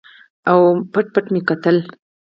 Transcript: او پټ پټ مې کتل.